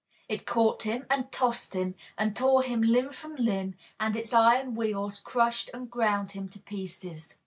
It caught him, and tossed him, and tore him limb from limb, and its iron wheels crushed and ground him to pieces.